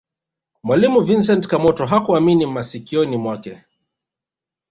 mwalimu vincent kamoto hakuamini masikioni mwake